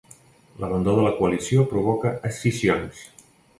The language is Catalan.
L'abandó de la coalició provoca escissions.